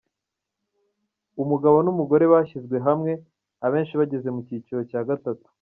Umugabo n’umugore bashyize hamwe, abenshi bageze mu cyiciro cya Gatatu.